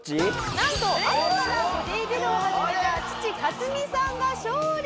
「なんとあとからボディビルを始めた父カツミさんが勝利」